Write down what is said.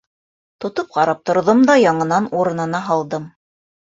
Тотоп ҡарап торҙом да, яңынан урынына һалдым.